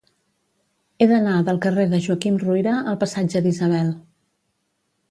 He d'anar del carrer de Joaquim Ruyra al passatge d'Isabel.